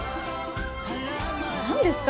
何ですか？